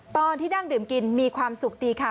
ตอนที่นั่งดื่มกินมีความสุขดีค่ะ